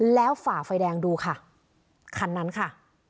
แล้วฝ่าไฟแดงดูค่ะคันนั้นค่ะ